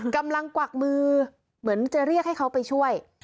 กวักมือเหมือนจะเรียกให้เขาไปช่วย